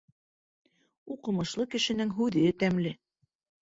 Уҡымышлы кешенең һүҙе тәмле.